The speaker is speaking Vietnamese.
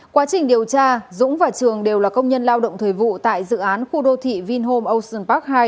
quá trình điều tra dũng và trường đều là công nhân lao động thời vụ tại dự án khu đô thị vinhome ocean park hai